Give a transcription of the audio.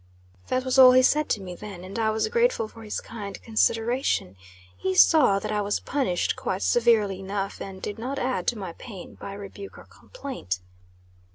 That was all he said to me then, and I was grateful for his kind consideration. He saw that I was punished quite severely enough, and did not add to my pain by rebuke or complaint.